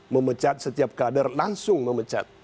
memecat setiap kader langsung memecat